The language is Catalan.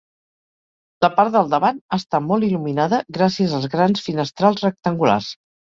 La part del davant està molt il·luminada gràcies als grans finestrals rectangulars.